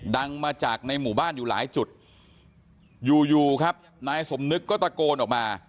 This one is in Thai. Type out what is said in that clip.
ดังมาจากในหมู่บ้านอยู่หลายจุดอยู่อยู่ครับนายสมนึกก็ตะโกนออกมา